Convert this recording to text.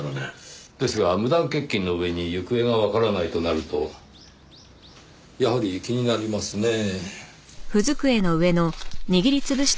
ですが無断欠勤の上に行方がわからないとなるとやはり気になりますねぇ。